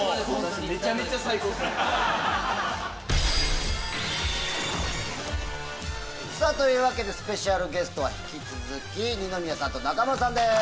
最高です。というわけでスペシャルゲストは引き続き二宮さんと中丸さんです。